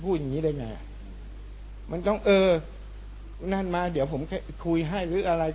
อย่างงี้ได้ไงอ่ะมันต้องเออนั่นมาเดี๋ยวผมจะคุยให้หรืออะไร